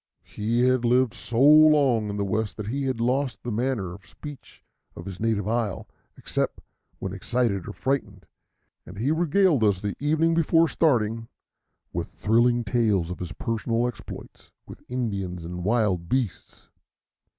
He had lived so long in the West that he had lost the manner of speech of his native isle, except when excited or frightened, and he regaled us the evening before starting with thrilling tales of his personal exploits with Indians and wild beasts.